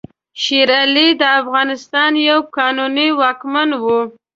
شېر علي د افغانستان یو قانوني واکمن وو.